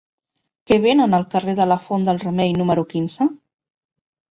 Què venen al carrer de la Font del Remei número quinze?